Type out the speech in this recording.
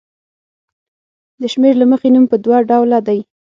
د شمېر له مخې نوم په دوه ډوله دی.